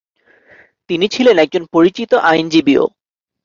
তিনি ছিলেন একজন পরিচিত আইনজীবীও।